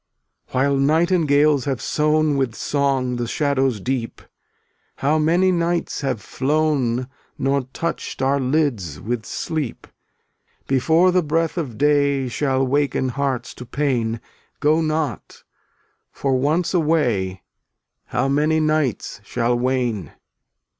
While nightingales have sown With song the shadows deep, How many nights have flown Nor touched our lids with sleep. Before the breath of day Shall waken hearts to pain, Go not; for once away, How many nights shall wane!